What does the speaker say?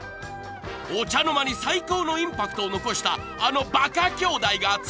［お茶の間に最高のインパクトを残したあのばか兄弟がついに大復活！］